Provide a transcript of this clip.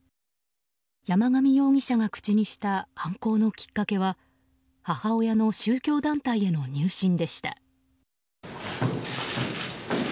山上容疑者が口にした犯行のきっかけは母親の宗教団体への入信でした。